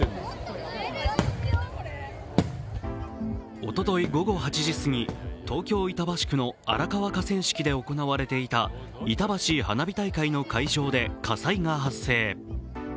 おととい午後８時すぎ東京・板橋区の荒川河川敷で行われていたいたばし花火大会の会場で火災が発生。